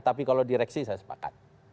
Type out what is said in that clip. tapi kalau direksi saya sepakat